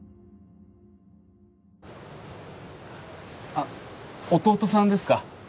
あっ弟さんですか？